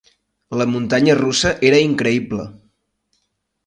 La muntanya russa era increïble!